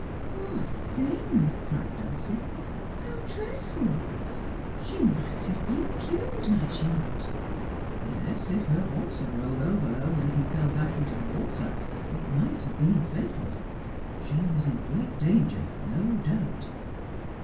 ' Poor thing,' cried Dulcie ;' how dreadful ! She might have been killed, might she not ?'' Yes, if her horse had rolled over her when he fell back into the water it might have been fatal. She was in great danger, no doubt.'